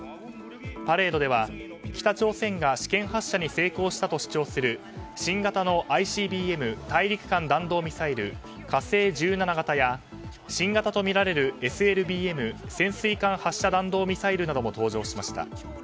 パレードでは北朝鮮が試験発射に成功したと主張する新型のＩＣＢＭ・大陸間弾道ミサイル「火星１７」型や新型とみられるＳＬＢＭ・潜水艦発射弾道ミサイルなども登場しました。